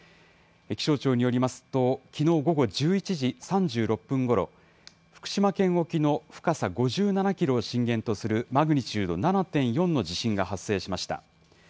気象庁によりますと、きのう午後１１時３６分ごろ、福島県沖の深さ５７キロを震源とする、マグニチュード７．４の地震が発生しました。